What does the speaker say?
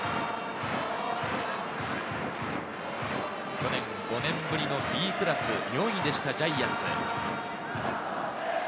去年、５年ぶりのＢクラス、４位でしたジャイアンツ。